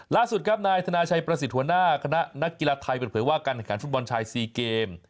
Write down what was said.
ล่าสุดครับนายธนาชัยประสิทธิ์หัวหน้าคณะนักกีฬาไทยเปิดเผยว่าการแข่งขันฟุตบอลชาย๔เกม